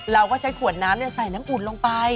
เราก็ใช้ขวดน้ำใส่น้ำอุ่นลงไป